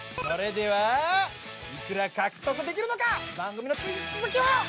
それではいくら獲得できるのか番組のつっ続きを！